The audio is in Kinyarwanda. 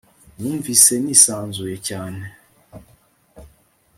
numvise nisanzuye cyane